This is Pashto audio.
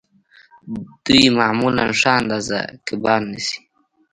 دوی معمولاً ښه اندازه کبان نیسي